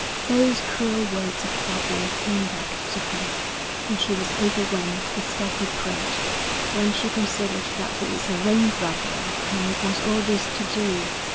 Those cruel words of Bobbie's came back to her, and she was overwhelmed with self reproach when she considered that it was her own brother of whom was all this to do.